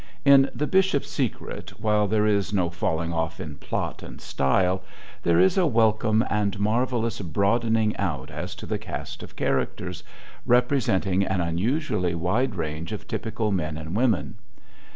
In "The Bishop's Secret," while there is no falling off in plot and style, there is a welcome and marvelous broadening out as to the cast of characters, representing an unusually wide range of typical men and women.